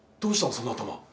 その頭。